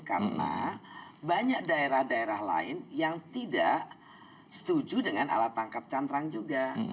karena banyak daerah daerah lain yang tidak setuju dengan alat tangkap cantrang juga